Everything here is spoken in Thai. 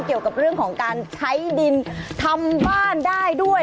เกี่ยวกับเรื่องของการใช้ดินทำบ้านได้ด้วย